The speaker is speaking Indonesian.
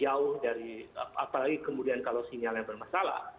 jauh dari apalagi kemudian kalau sinyal yang bermasalah